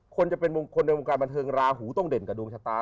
คนในวงการบันเทิงราหูต้องเด่นกับดวงชะตา